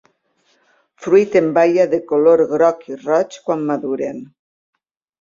Fruit en baia de color groc i roig quan maduren.